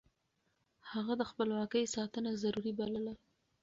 هغه د خپلواکۍ ساتنه ضروري بلله.